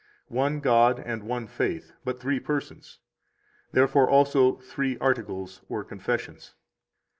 One God and one faith, but three persons, therefore also three articles or confessions.